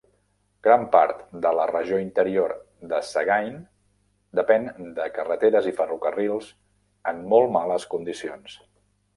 Gran part de la regió interior de Sagaing depèn de carreteres i ferrocarrils en molt males condicions.